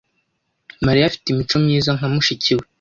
Mariya afite imico myiza nka mushiki we.